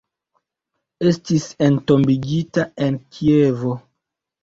Estis entombigita en Kievo.